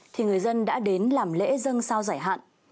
thì người dân đã đến làm lễ dân sao giải hạn